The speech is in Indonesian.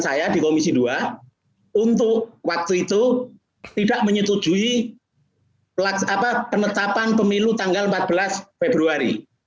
saya di komisi dua untuk waktu itu tidak menyetujui penetapan pemilu tanggal empat belas februari